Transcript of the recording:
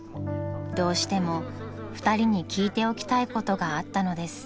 ［どうしても２人に聞いておきたいことがあったのです］